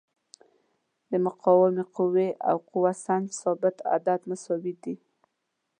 د مقاومې قوې او قوه سنج ثابت عدد مساوي دي.